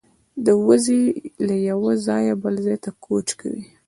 وزې له یوه ځایه بل ته کوچ کوي